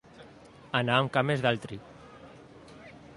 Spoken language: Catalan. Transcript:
Anar amb cames d'altri.